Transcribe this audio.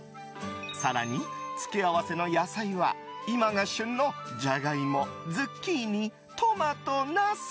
更に付け合わせの野菜は今が旬のジャガイモ、ズッキーニトマト、ナス。